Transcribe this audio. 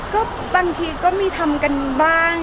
ก็บางทีก็มีทำกันบ้าง